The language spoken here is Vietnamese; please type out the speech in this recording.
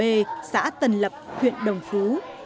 tân lập b xã tân lập huyện đồng phú